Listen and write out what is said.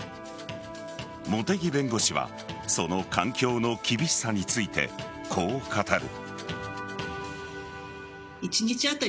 茂木弁護士はその環境の厳しさについてこう語る。